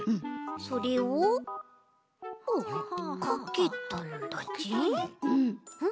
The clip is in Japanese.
それをかけたんだち？